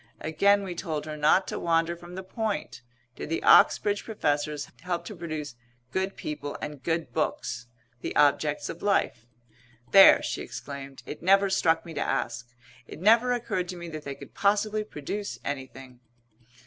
Again we told her not to wander from the point, did the Oxbridge professors help to produce good people and good books? the objects of life. "There!" she exclaimed. "It never struck me to ask. It never occurred to me that they could possibly produce anything."